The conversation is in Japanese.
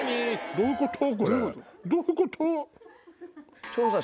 どういうこと？